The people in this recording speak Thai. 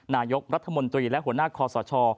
นายกรัฐมนตรีและหัวหน้าคอสช